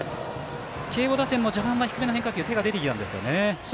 慶応打線も序盤の低めの変化球手が出ていたんですよね。